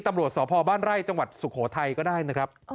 ตำรวจสพบ้านไร่จังหวัดสุโขทัยก็ได้นะครับ